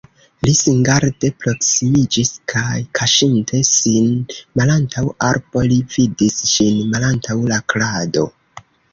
Li singarde proksimiĝis kaj kaŝinte sin malantaŭ arbo li vidis ŝin malantaŭ la krado.